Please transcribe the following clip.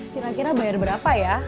kira kira bayar berapa ya